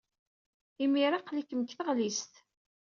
Imir-a, aql-ikem deg tɣellist.